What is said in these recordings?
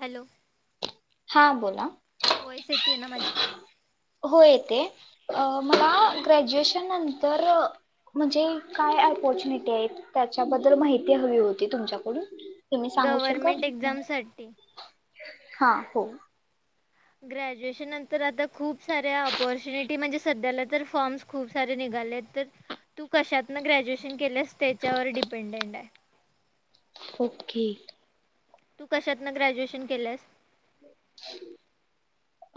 Hello! हा बोला voice येते ना माझी हो येते अ मला हां ग्रॅज्युएशनंत तर म्हणजे काय ऑपॉर्च्युनिटी आहेत त्याच्याबद्दल माहिती हवी होती तुमच्याकडून तुम्ही सांगू शकाल? गव्हर्मेंट एक्झामसाठी हा - हो. ग्रॅज्युएशन नंतर आता खूप सऱ्या ऑपॉर्च्युनिटी म्हणजे सध्याला तर फॉर्म्स खूप सारे निघालेत तर तू कशातन ग्रॅज्युएशन केल्यास त्याच्यावर डिपेंडेंट आहे. ओके तू कशातन ग्रॅज्युएशन केल्यास -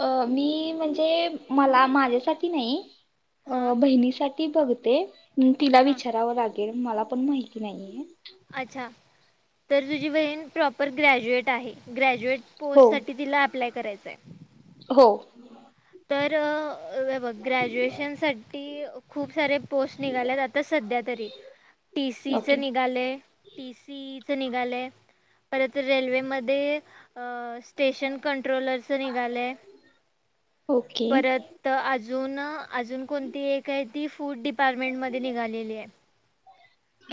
अ मी म्हणजे मला माझ्यासाठी नाही हां अ बहिणीसाठी बघते तिला हां विचारावं लागेल मला माहिती नाहीये अच्छा तर तुझी बहीण प्रॉपर ग्रॅज्युएट आहे ग्रॅज्युएट हो पोस्टसाठी तिला अप्लाय करायचंय हो तर ग्रॅज्युएशन साठी खूप सारे पोस्ट निघालेत आता सध्या तरी टीसीचे ओके निघाले टीसी े निघाले परत रेल्वेमध्ये स्टेशन कन्ट ट्रोलरच निघालय ओके परत आत अजुन अजून कोणती एक आहे ती फूड डिपार्टमेंटमध्ये निघालेली आहे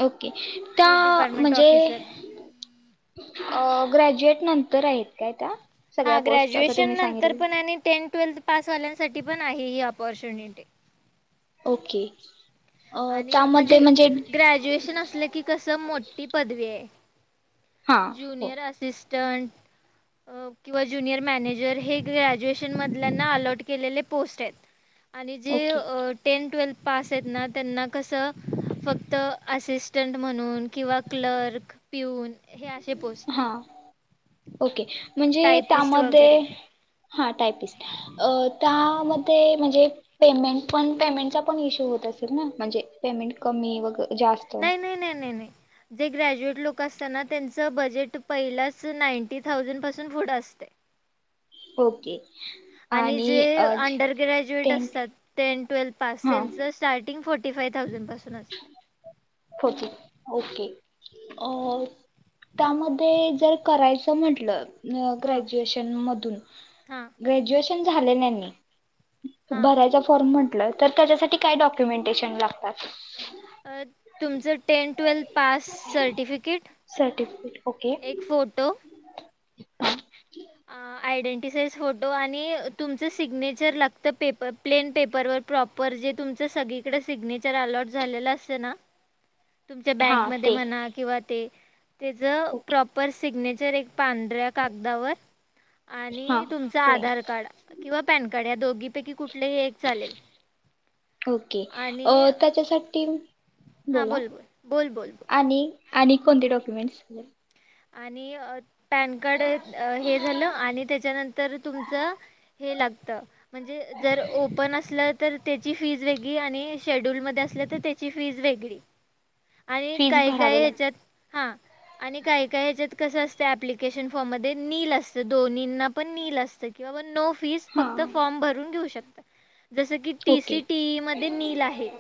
अ त्या फूड डिपार्टमेंट म्हणजे ऑफिसर अ ग्रॅज्युएट नंतर आहेत काय त्या सगळ्या हा पोस्ट आता ग्रॅज्युएशन तुम्ही नंतर सांगितलेल्या पण आणि त्यान ट्वेल्थ पास वाल्यांसाठी पण आहे ही अपॉर्च्युनिटी ओके. अ, आणि म्हणजे त्यामध्ये ग्रॅज्युएशन असलं की कस मोठी पदवीये हा हो जुनियर असिस् क अ किंवा ज्युनियर मॅनेजर हे ग्रॅज्युएशन मधल्यांना अलर्ट केलेले पोस्ट आहेत आणि जे ओके टेन ट्वेल् पास येत ना त्यांना कसं फक्त असिस्टंट म्हणून किंवा क्लर्क, पिऊन हे असे पोस्ट हा येत ओके म्हणजे टायपिस्ट त्यामध्ये वगैरे हा टायपिस्ट अ त्यामध्ये म्हणजे पेमेंट पण पेमेंटचा पण इशू होत असेल ना म्हणजे पेमेंट कमी वग नाही नाही नाही नाय नाय जे ग्रॅज्युएट लोक असताना त्यांच बजेट पहिलाच नांटी थावजंड पासून पुढ असतय ओके आणि जे अंडर ग्रॅजुएट टेंथ असतात टेन ट्वेल् पास हां त्यांच starting forty five thousand पासून पुढं असतय. ओके ओके अ त्यामध्ये जर करायचं म्हटलं. हां ग्रुजूएशन मधून हां ग्रॅज्युएश पण झाले नाही मी हां भरायचा फॉर्म म्हण म्हटल तर त्याच्यासाठी काय डॉक्युमेंटेशन लागतात? अ तुमचं ten twelfth pass certificate certificate okay एक फोटो आयडेंटिसाइज फोटो आणि तुमच सिग्नेचर लागत पेपर प्लेन पेपर व प्रॉपर जे तुमच सगळीकडे सिग्नेचर अलॉट झालेलं असत ना तुमच्या हा बँकमध्ये ते म्हणा किंवा ते त्याचं ओके प्रॉपर सिग्नेच त्याच्या वर एक पांढऱ्या कागदावर हा आणि तुमच प्लेन आधार कार्ड किंवा पॅन कार्ड या दोग गीपे गीप कुठलेही एक चालेल ओके अ, आणि त्याच्यासाठी हा बोला बोल बोल बोल बोल बोल आणि आणि कोणते डॉक्युमेंट्स? आणि अ त पॅन कार्ड हे झालं आणि त्याच्यानंतर तुमचं हे लाग तर म्हणजे जर ओपन असलं. तर त्याची फीज वेगळी आणि शेड्यूलमध्ये असल्या तर त्याची फीज वेगळी आणि फीज काही काही भरावे लाग ह्येच्यात हा आणि काय? काय हेच्यात कस असत अॲप्लिकेशन फॉर्म मध्ये नील असत दोन्हिना पण नील असतं किं बाबा नो फीज हा फक्त फॉर्म भरून घेऊ शकते. [unintelligible] जस की ओके टीसी टी मध्ये नील आहे.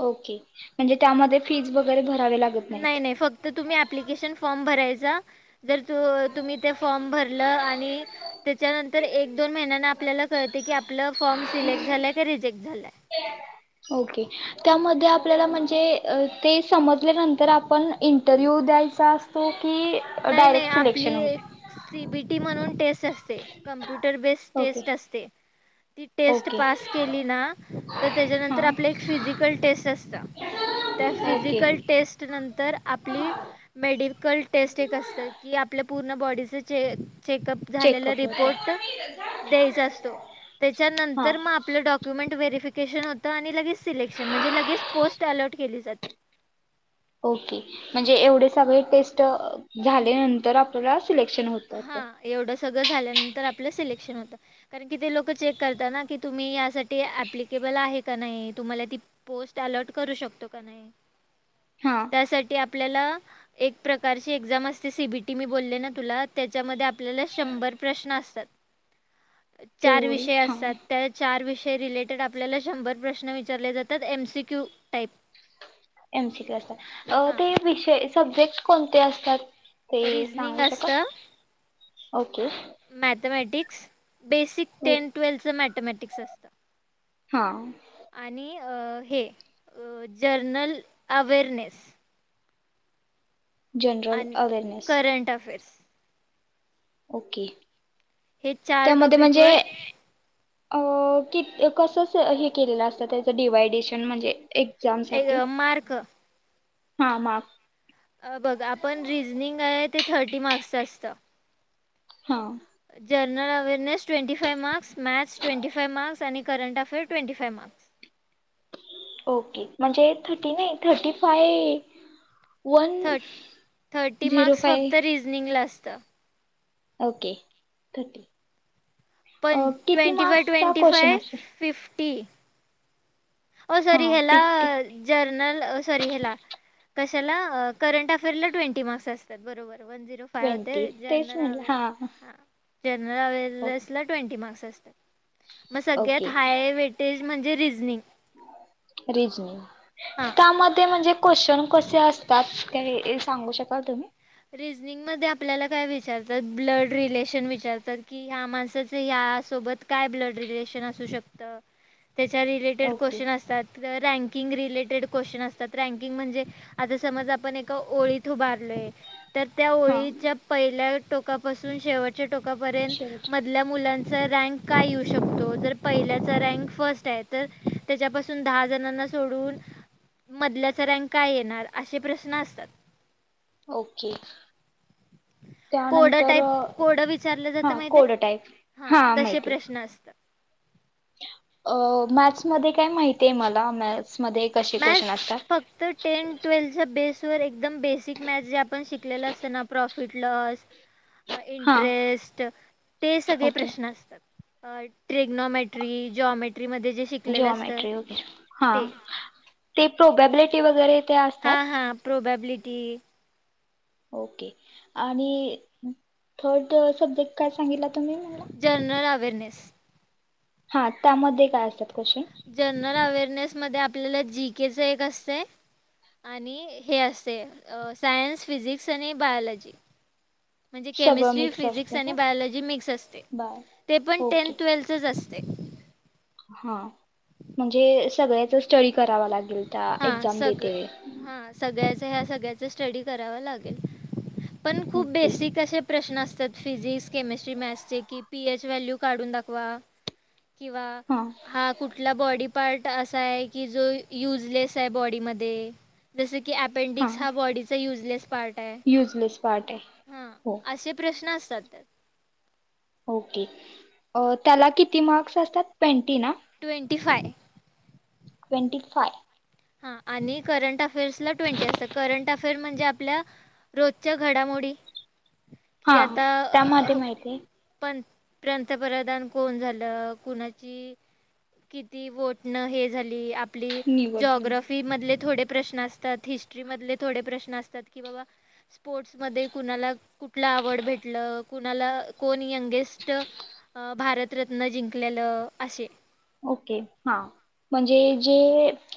ओके म्हणजे त्यामध्ये फीज वगरे भरणे. नाही, नाही फक्त तुम्ही अप ॲप्लिकेशन फॉर्म भरायचा जर त तुम्ही ते फॉर्म भरलं आणि त्याच्यानंत तर एक दोन महिन्यांनी आपल्याला कळत की आपल फॉर्म सिलेक्ट झाला का रिजेक्ट झाला. ओके त्यामध्ये आपल्याला म्हणजे अ ते समजल्यानंतर आपण इंटरव्ह्यू द्यायचा असतो की नाही, नाही डायरेक्ट आपली सिलेक्शन होतं एक सीबीटी म्हणून टेस्ट असते कम्प्युटर बेस ओके टेस्ट असते, ती टेस्ट ओके पास केली ना तर त्याच्यानंतर हां आपलं एक फिजिकल टेस्ट असतं, त्या ओके फिजिकल टेस्ट नंतर आपली मेडिकल स्टे एक असत की आपल्या पूर्ण बॉडीचे चे चेकअप झालेला चेकअप होतं रिपोर्ट द्यायचा असतो, हां त्याच्यानंतर मग आपलं डॉक्युमेंट व्हेरफिक सेशन होत आणि लगेच सिलेक्शन म्हणजे लगेच पोस्ट अलॉट केली जाते. ओके म्हणजे एवढे सगळे टेस्ट अं झाल्या नंतर आपल्याला सिलेक्शन होतात हां एवढं सगळं झाल्यानंतर आपलं सिलेक्शन होतं कारण कि ते लोक चेक करताना की तुम्ही यासाठी अप्लिकेबल आहे नाही तुम्हाला ती पोस्ट अलॉट करू शकतो का नाही हा त्यासाठी आप आपल्याला एक प्रकारची एक्झाम असते सीबीटी मी बोलले ना तुला त्याच्यामध्ये आप आपल्याला शंभर प्रश्न असतात चार एवढी विषय हा असतात त्या चार विष रिलेटेड आपल्याला शंभर प्रश्न विचारले जातात एमसीक्यू टाईप एमसीक्यू असतात अ हां ते विषय सब्जेक्ट कोणते असतात ते रिजनिंग सांगू शकाल? असतं ओके! मॅथमॅटिक्स बेसिक ओ- टेन ट्वेल्थ च मॅथमॅटिक्स असतं हां! आणि अ हे general awareness general awareness current affairs okay हे चार त्यामध्ये म्हणजे टॉपिकवर अ की क कस हे केलेलं असतं त्याचं डिवा्हायडेशन म्हणजे ए- एग मार्क. हा मार्क. बघ आपण रिजनिंग आहे ते थर्टी मार्क्सचे असतं. हा. General awareness twenty five marks maths twenty five marks आणि current affair twenty five marks. Okay म्हणजे थर्टी नाही थर्टी फाय वन थ थर्टी झिरो मार्क्स फाय फक्त रिझनिंगला अस त. ओके थर्टी अ पण किती ट्वेंटी फाय मार्क्सचा ट्वेंटी क्वेश्चन फाय असतो फिफ टी ओ हा सॉरी हेला फिफ्टी जर्नल सॉरी हेला कशाला करंट अफेअरला ट्वेंटी मार्क्स असतात बरोबर. वन झीरो फाइव ट्वेंटी होतंय तेच जनरल म्हणलं हा अव्हेरनेस जनरल अव्हेरनेसला ट्वेंटी मार्क्स लसत मग सगळ्यात ओके हाय व्हेटेज म्हज जे रिजनिंग रिजनिंग हां त्यामध्ये म्हणजे क्वेशन कसे असतात? काही सांगू शकाल तुम्ही? रिजनिंगमध्ये आपल्याला काय विचारतात, ब्लड रिलेशन विचारतात कि ह्या माणसाच ह्या या सोबत काय ब्लड रिलेशन असू शकत. त्याच्या रिलेटेड ओके क्वेश्चन असतात रँक किंग रिलेटेड क्वेशचन असतात रँकिंग म्हणजे आता समज आपण एका ओळीत उभारलोय. तर त्या हां ओळीच्या पहिल्या टोकापासून शेवट च्या टोकापर्यंत शेवट मधल्या मुलां चा रँक काय येऊ शकतो? जर पहिल्याचा रँक फर्स्ट आहे, तर त्याच्यापासून दहा जणांना सोडून मधल्याचा रँक काय येणार? असे प्रश्न असतात. ओके कोडं त्यानंतर टाईप, कोडं विचारलं जात हां माहित कोड आहे? टाईप हा तसे प्रश्न असतात. अ मॅथ्समध्ये काय माहिती आहे मला, मॅथ्स. मॅथ्स फक्त टेन ट्वेल्च्या बेस वर एकदम बेसिक मॅथ्स जे आपण शिकले असते ना प्रोफ फिट लॉस हां इंटरेस्ट ते सगळे ओके प्रश्न असतात. अ ट्रेग्नॉमॅट्री जॉमे जिओमेट्री के हा ते ते प्रोबेबिलिटी वगैरे ते असतात. प्रोबॅबलिटी ओके आणि थर्ड सब्जेक्ट काय सांगितला तुम्ही मला जनरल व्हेरी नाईस हा त्यामध्ये काय असतात. क्वेश्चन जनरल अवेरनेस मध्ये आपल्याला जी के चं एक असतय आणि हे असते सायन्स, फिजिक्स, आणि बायलॉजी म्हणजे सगळं केमिस्ट्री मिक्स फिजिक्स असतं आणि का बायलॉजी मिक्स असते बर ते पण टेन् ओके ट्वेल्थच अस ते हा म्हणजे सगळ्याचं स्टडी करावा लाग [unintelligible] हां एक्झाम देते. सगळं हां सगळ्याचं ह्या सगळ्याचा स्टडी करावा लागेल. पण खूप ओके बेसिक असे प्रश्न असतात फिजिक्स, केमेस्ट्री, मॅथ्स चे कि पीएच व्हॅल्यू काढून दाखवा. किंवा हां हा कुठला बॉडी पार्ट असा आहे की जो यूज युजलेस आहे बॉडी मध्ये जस की अपेंडिक्स हां हा बॉडीचा युजलेस पार्ट आहे युजलेस पार्ट आहे हां हो असे प्रश्न असतात. [inaudible] ओके त्याला किती मार्क्स असतात ट्वेन्टी ना? ट्वेंटी फाय ट्वेंटी फाय हा आणि करंट अफेर्सला ट्वेंटी असतात करंट अफेअर म्हणजे आपल्या रोजच्या घडामोडी हा की आता त्यामध्ये माहिती आहे. पण पंतप्रधान कोण झालं कुणाची किती वोटणं हे झाल ली आपली निवड झाली जॉग्राॅफी मधले थोडे प्रश्न असतात, हिस्टरी मधले थोडे प्रश्न असतात, कि बाबा स्पोर्ट्स मधे कुणाला कु कुटलं आवड भेटलं कुणाला कोण यंगेस्ट भारतरत्न जिंकलेलं अशे ओके हा म्हणजे जे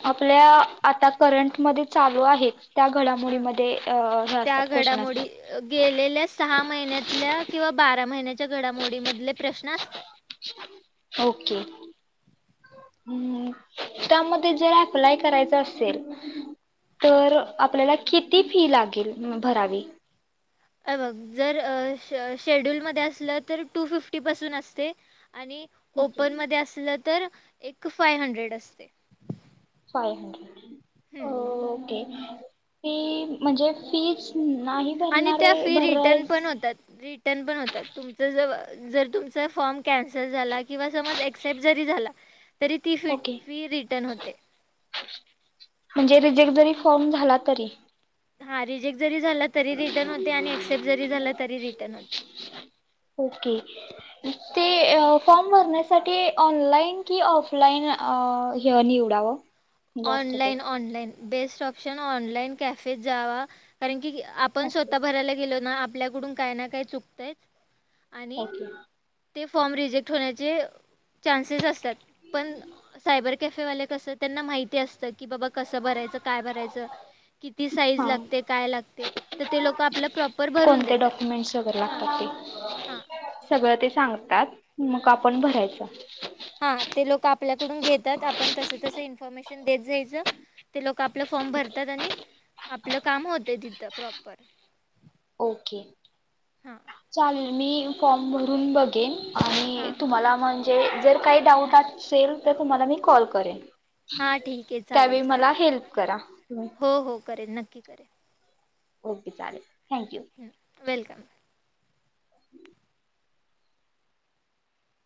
आपल्या आता करंटमध्ये चालू आहेत त्या हा घडामोडीमध्ये अ हे असतात त्या क्वेश्चन घडामोडी असतात गेलेल्या सहा महिन्यातल्या किंवा बारा महिन्याच्या घडामोडी मधले प्रश्न असतात. ओके त्यामध्ये जर अप्लाय करायच असेल हां. तर आपल्याला किती फी लागेल भरावी. ए बघ जर शे शेड्यूल मधे असलं तर टू फिफ्टी पासून असते. आणि ओके ओपन मध्ये असलं तर एक फाय हंड्रेड असते. फाय हंड्रेड हम्म. ओके [inaudible] फी म्हणजे फीज नाही आणि त्या भरणारे फी रिटर्न भरायस पण होतात रिटर्न पण होतात तुमचं ज जर तुमचा फॉर्म कॅन्सल झाला किंवा समज एक्स्पेक्ट जरी झाला तरी ती फी ओके फी रिटर्न होते. एक जरी फॉर्म झाला तरी हा रिजेक जरी झाला तरी रिटर्न होते आणि एक्सेप्ट जरी झाला तरी रिटर्न होते. ओके ते फॉर्म भरण्यासाठी ऑनलाईन कि ऑफलाईन हे निवडावं? जास्त ऑनलाईन कर ऑनलाईन बेस्ट ऑप्शन ऑनलाइन कॅफेत जावा कारण की आपण स्वतः भरायला गेलो ना आप आपल्याकडून काय ना काय चुकतयच ओके ते फॉर्म रिजेक्ट होण्याचे चान्सेस असत्यात. पण सायबर कॅफेवाले कसं त्यांना माहित ती असत कि बाबा कसं भरायचं, काय भरायचं, किती साईज हा लागते, काय लागते तर ते लोक आपला प्रॉपर भरून कोणते देतात डॉक्युमेंट्स वगैरे हा लागतात ते हा सगळं ते सांगतात मग आपण भरायच हा ते लोक आपल्याकडून घेतात आपण तस तस इं फॉर्मेशन देत जायच ते लोक का आपला फॉर्म भरतात आणि आपलं काम होतंय तिथं प्रॉपर ओके हां चालेल मी फॉम भ रून बघेन हां आणि तुम्हाला म्हणजे जर काही डाऊट असेल तर तुम्हाला मी कॉल करेन. हा ठीके चालेल त्यावेळी मला चालेल हेल्प करा तुम्ही हो हो करेल नक्की करेल. ओके चालेल. Thank you welcome [inaudible]